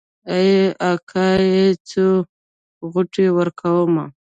ای اکا ای څو غوټې ورکمه.